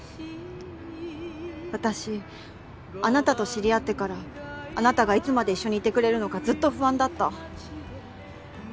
私あなたと知り合ってからあなたがいつまで一緒にいてくれるのかずっと不安だった。